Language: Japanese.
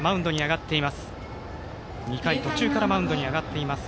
２回途中からマウンドに上がっています